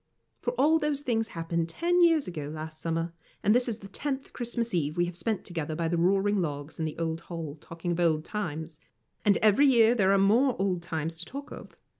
For all those things happened ten years ago last summer, and this is the tenth Christmas Eve we have spent together by the roaring logs in the old hall, talking of old times; and every year there are more old times to talk of.